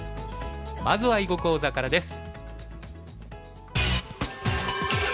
まずは囲碁講座からです。